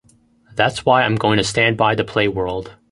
That's why I'm going to stand by the playworld.